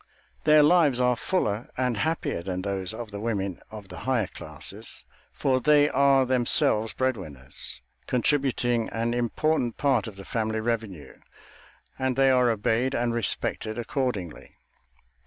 Their lives are fuller and happier than those of the women of the higher classes, for they are themselves bread winners, contributing an important part of the family revenue, and they are obeyed and respected accordingly.